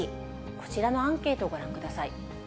こちらのアンケートご覧ください。